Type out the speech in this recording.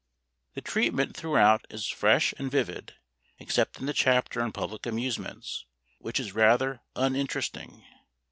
The treatment throughout is fresh and vivid, except in the chapter on public amusements, which is rather uninteresting.